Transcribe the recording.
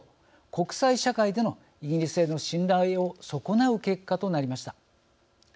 国際社会でのイギリスへの信頼を損なう結果となりました。